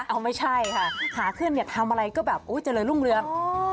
เอาไม่ใช่ค่ะขาขึ้นเนี่ยทำอะไรก็แบบอุ๊ยเจริญรุ่งเรือง